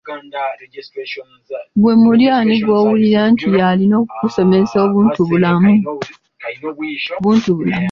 Ggwe muli ani gw'owuli nti y'alina okukusomesa obuntubulamu?